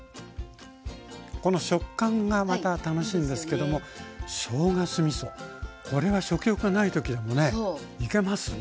この食感がまた楽しいんですけどもしょうが酢みそこれは食欲がない時でもねいけますね。